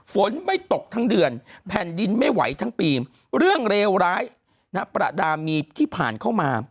ฝนไม่ตกทั้งเดือนแผ่นดินไม่ไหวทั้งปีเรื่องเลวร้ายประดามีที่ผ่านเข้ามา